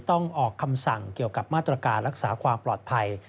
ออกคำสั่งเกี่ยวกับมาตรการรักษาความปลอดภัย